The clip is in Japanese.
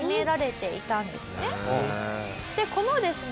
このですね